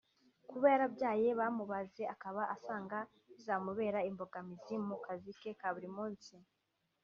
Kuba yarabyaye bamubaze akaba asanga bizamubera imbogamizi mu kazi ke ka buri munsi